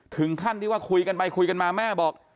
ถึงขั้นที่ว่าคุยกันไปคุยกันมาแม่บอก